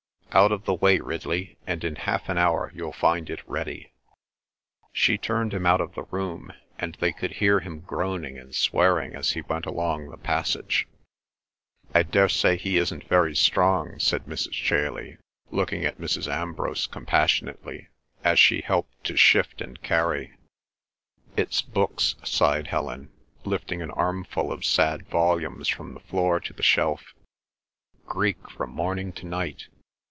"Out of the way, Ridley, and in half an hour you'll find it ready." She turned him out of the room, and they could hear him groaning and swearing as he went along the passage. "I daresay he isn't very strong," said Mrs. Chailey, looking at Mrs. Ambrose compassionately, as she helped to shift and carry. "It's books," sighed Helen, lifting an armful of sad volumes from the floor to the shelf. "Greek from morning to night.